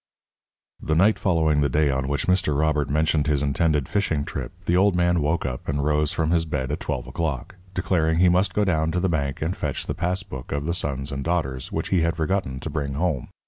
The night following the day on which Mr. Robert mentioned his intended fishing trip the old man woke up and rose from his bed at twelve o'clock, declaring he must go down to the bank and fetch the pass book of the Sons and Daughters, which he had forgotten to bring home.